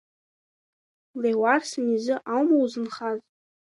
Леуарсан изы аума узынхаз?